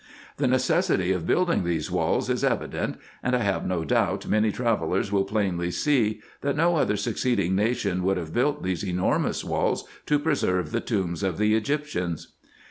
The necessity of building these walls is evident ; and I have no doubt many travellers will plainly see, that no other succeeding nation would have built these enormous walls to preserve the tombs of the Egyptians.